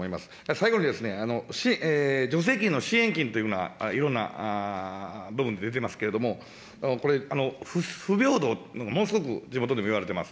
最後に、助成金の支援金というふうな、いろんな部分で出てますけれども、これ、不平等、ものすごく地元でもいわれています。